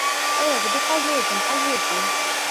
Эх, ды паедзем, паедзем!